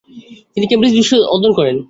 তিনি কেমব্রিজ বিশ্ববিদ্যালয়ে অধ্যয়ণ করেন।